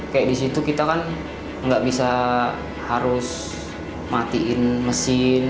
kayak di situ kita kan nggak bisa harus matiin mesin